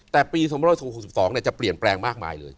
แต่ปี๒๖๒จะเปลี่ยนแปลงมากมายเลย